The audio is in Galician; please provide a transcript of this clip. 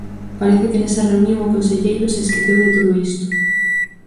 Parece que nesa reunión o conselleiro se esqueceu de todo isto.